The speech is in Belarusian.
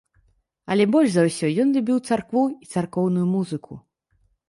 Але больш за ўсё ён любіў царкву і царкоўную музыку.